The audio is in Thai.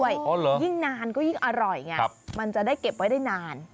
ยิ่งนานก็ยิ่งอร่อยไงมันจะได้เก็บไว้ได้นาน